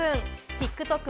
ＴｉｋＴｏｋ